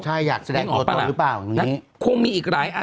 ใช่อยากแสดงตัวต้ายละ